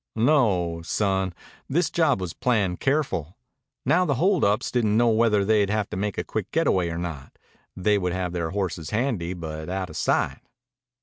"No o, son. This job was planned careful. Now the hold ups didn't know whether they'd have to make a quick getaway or not. They would have their horses handy, but out of sight."